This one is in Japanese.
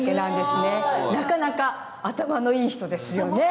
すごい！なかなか頭のいい人ですよね。